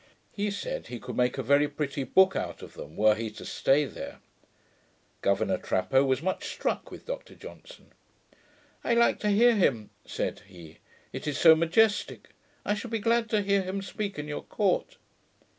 He said, he could make a very pretty book out of them, were he to stay there. Governour Trapaud was much struck with Dr Johnson. 'I like to hear him,' said he; 'it is so majestick. I should be glad to hear him speak in your court.'